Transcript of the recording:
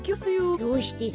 どうしてさ。